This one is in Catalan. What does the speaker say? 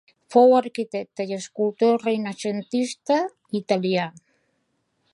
Fou arquitecte i escultor renaixentista italià.